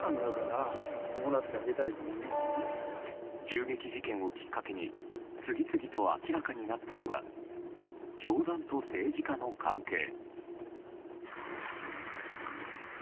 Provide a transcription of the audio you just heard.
銃撃事件をきっかけに次々と明らかになったのが教団と政治家の関係。